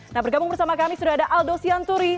nah bergabung bersama kami sudah ada aldo sianturi